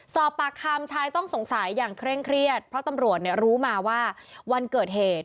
สอบปากคำชายต้องสงสัยอย่างเคร่งเครียดเพราะตำรวจเนี่ยรู้มาว่าวันเกิดเหตุ